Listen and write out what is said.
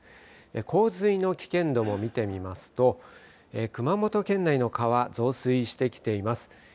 洪水の危険度も見てみますと熊本県内の川、増水してきています。